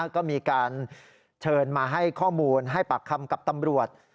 ก็มีการเชิญมาให้ข้อมูลให้ปากคำกับตำรวจ